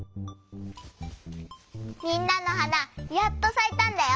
みんなのはなやっとさいたんだよ！